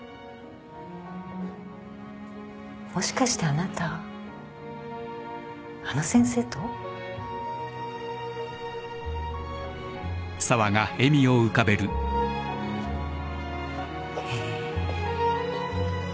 もしかしてあなたあの先生と？へえー。